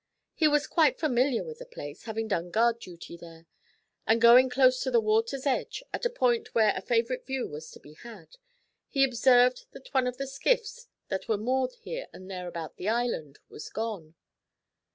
He was quite familiar with the place, having done guard duty there, and going close to the water's edge, at a point where a favourite view was to be had, he observed that one of the skiffs that were moored here and there about the island was gone.